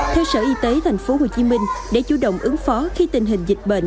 theo sở y tế tp hcm để chủ động ứng phó khi tình hình dịch bệnh